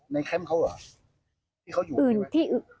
ในเข้มเขาหรอที่เขาอยู่ที่ไหน